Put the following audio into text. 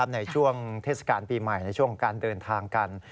ในช่วงเทศกาลปีใหม่ในช่วงการเดินทางกัน